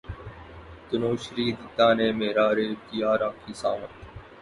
تنوشری دتہ نے میرا ریپ کیا راکھی ساونت